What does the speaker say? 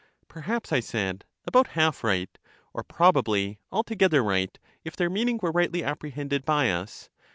Perhaps, I said, about half right, or probably alto gether right, if their meaning were rightly appre hended by us.